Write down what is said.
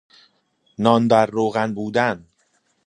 نان در روغن بودن